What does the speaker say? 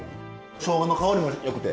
しょうがの香りも良くて。